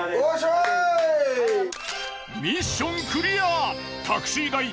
ミッションクリアです。